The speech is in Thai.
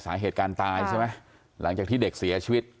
สาเหตุการตายใช่ไหมหลังจากที่เด็กเสียชีวิต